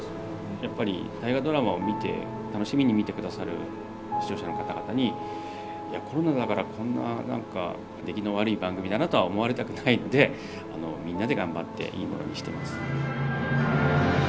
やっぱり「大河ドラマ」を見て楽しみに見てくださる視聴者の方々にいやコロナだからこんな何か出来の悪い番組だなとは思われたくないのでみんなで頑張っていいものにしてます。